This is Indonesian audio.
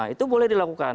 itu boleh dilakukan